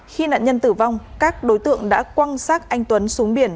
khi nạn nhân tử vong các đối tượng đã quan sát anh tuấn xuống biển